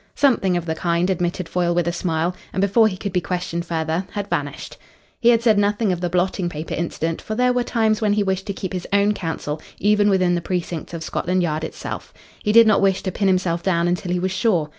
"Something of the kind," admitted Foyle with a smile, and before he could be questioned further had vanished. He had said nothing of the blotting paper incident, for there were times when he wished to keep his own counsel even within the precincts of Scotland Yard itself. He did not wish to pin himself down until he was sure.